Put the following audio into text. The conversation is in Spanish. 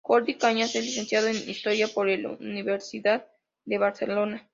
Jordi Cañas es licenciado en Historia por la Universidad de Barcelona.